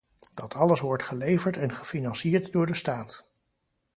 Dat alles wordt geleverd en gefinancierd door de staat.